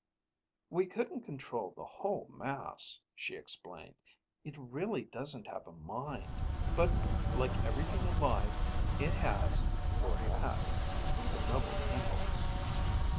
"We couldn't control the whole mass," she explained. "It really doesn't have a mind. But, like everything alive, it has, or had, the double impulse."